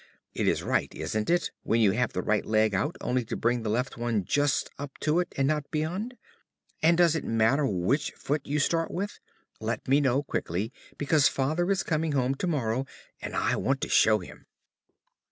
It is right, isn't it, when you have the right leg out, only to bring the left one just up to it, and not beyond? And does it matter which foot you start with? Let me know quickly, because Father is coming home to morrow and I want to show him.